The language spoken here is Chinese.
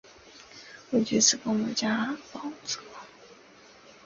未具自耕农加保资格